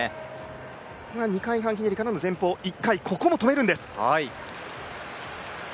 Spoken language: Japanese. ２回半ひねりからの前方１回、ここもとめるんです。